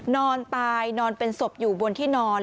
นอนตายนอนเป็นศพอยู่บนที่นอน